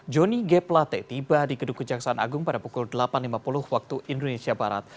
joni g plate tiba di gedung kejaksaan agung pada pukul delapan lima puluh waktu indonesia barat